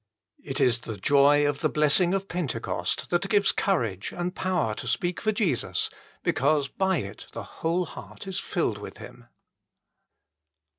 It is the joy of the blessing of Pentecost that gives courage and power to speak for Jesus, because by it the whole heart is filled with Him.